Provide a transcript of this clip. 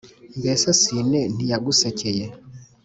mbese sine ntiyagusekeye